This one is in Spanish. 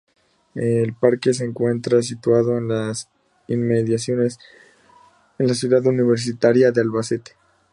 El parque se encuentra situado en las inmediaciones de la Ciudad Universitaria de Albacete.